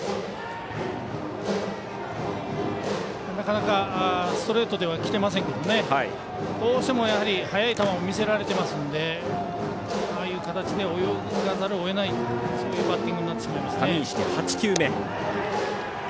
なかなかストレートではきてませんけどねどうしても、速い球を見せられてますのでああいう形で泳がざるをえないそういうバッティングになってしまいますね。